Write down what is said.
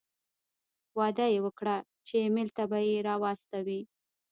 وعده یې وکړه چې ایمېل ته به یې را واستوي.